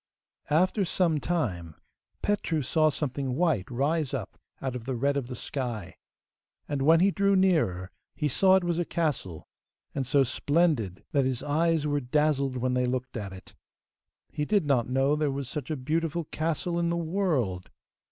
After some time Petru saw something white rise up out of the red of the sky, and when he drew nearer he saw it was a castle, and so splendid that his eyes were dazzled when they looked at it. He did not know there was such a beautiful castle in the world.